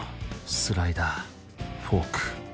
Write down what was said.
スライダーフォーク